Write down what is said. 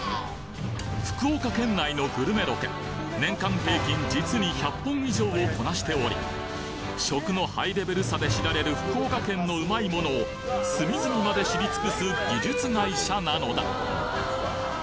福岡県内のグルメロケ年間平均実に１００本以上をこなしており食のハイレベルさで知られる福岡県のうまいものをすみずみまで知り尽くす技術会社なのだ